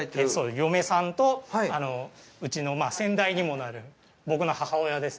嫁さんとうちの先代にもなる僕の母親です。